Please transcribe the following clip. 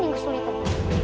tidak ada yang lebih sulit